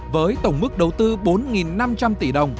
với tổng mức đầu tư bốn tỷ đồng